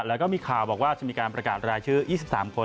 แล้วก็มีข่าวบอกว่าจะมีการประกาศรายชื่อ๒๓คน